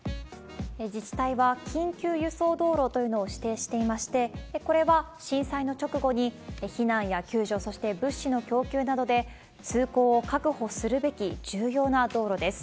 自治体は緊急輸送道路というのを指定していまして、これは、震災の直後に避難や救助、そして物資の供給などで、通行を確保するべき重要な道路です。